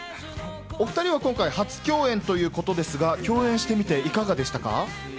お２人は今回、初共演ということですが共演してみていかがでしたか？